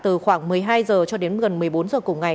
từ khoảng một mươi hai h cho đến gần một mươi bốn giờ cùng ngày